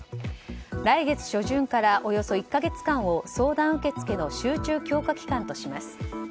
来月初旬から、およそ１か月間を相談受付の集中強化期間とします。